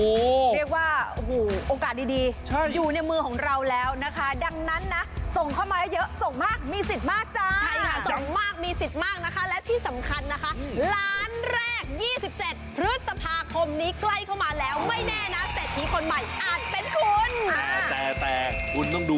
เรียกว่าโอกาสดีอยู่ในมือของเราแล้วนะคะดังนั้นน่ะส่งเข้ามาเยอะส่งมากมีสิทธิ์มากจ้า